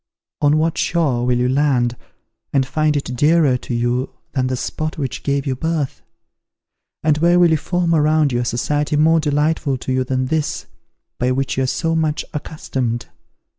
On what shore will you land, and find it dearer to you than the spot which gave you birth? and where will you form around you a society more delightful to you than this, by which you are so much accustomed?